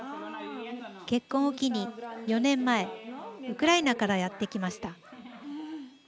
結婚を機に４年前ウクライナからやって来ました。